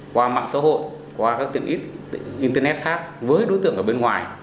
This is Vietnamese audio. qua mạng xã hội qua các tỉnh internet khác với đối tượng ở bên ngoài